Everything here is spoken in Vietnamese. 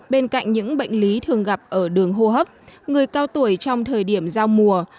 bên cạnh những bệnh lý thường gặp ở đường hô hấp người cao tuổi trong thời điểm giao mùa